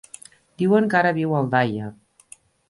Diuen que ara viu a Aldaia.